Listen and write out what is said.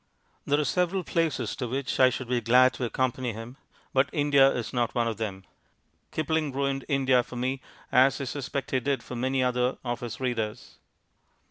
There are several places to which I should be glad to accompany him, but India is not one of them. Kipling ruined India for me, as I suspect he did for many other of his readers.